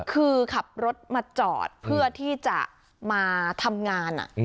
คือขับรถมาจอดเพื่อที่จะมาทำงาน